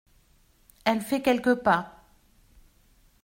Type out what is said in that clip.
Elle fait quelques pas.